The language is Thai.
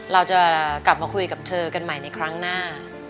เราจะกลับมาคุยกับเธอกันใหม่ในครั้งหน้า